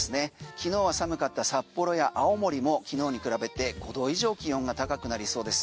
昨日は寒かった札幌や青森も昨日に比べて５度以上気温が高くなりそうです。